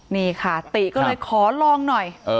นี่ค่ะติก็เลยขอลองหน่อย